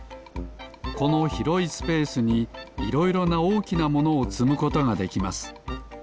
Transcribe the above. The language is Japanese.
このひろいスペースにいろいろなおおきなものをつむことができます。